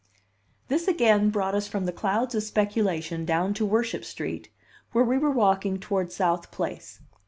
This again brought us from the clouds of speculation down to Worship Street, where we were walking toward South Place.